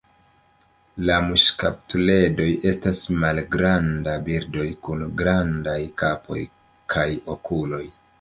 La muŝkaptuledoj estas malgrandaj birdoj kun grandaj kapo kaj okuloj.